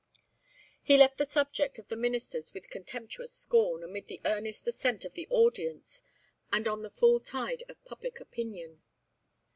He left the subject of the Ministers with contemptuous scorn, amid the earnest assent of the audience and on the full tide of public opinion.